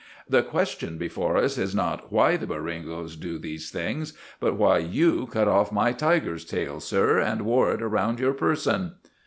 The question before us is not why the Boringos do these things, but why you cut off my tiger's tail, sir, and wore it round your person?"